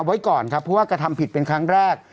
ไว้ก่อนครับเพราะว่ากระทำผิดเป็นครั้งแรก